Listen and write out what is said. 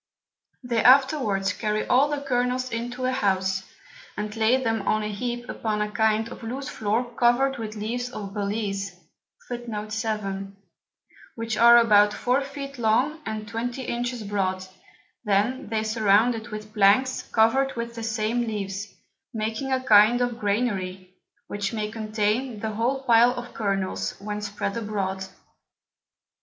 They afterwards carry all the Kernels into a House, and lay them on a heap upon a kind of loose Floor cover'd with Leaves of Balize, which are about four Feet long, and twenty Inches broad; then they surround it with Planks cover'd with the same Leaves, making a kind of Granary, which may contain the whole Pile of Kernels, when spread abroad.